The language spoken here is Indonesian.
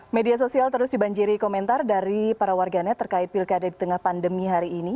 media sosial terus dibanjiri komentar dari para warganet terkait pilkada di tengah pandemi hari ini